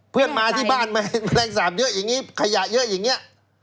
เพื่อนบ้านมาที่บ้านไหมแมลงสาปเยอะอย่างนี้ขยะเยอะอย่างนี้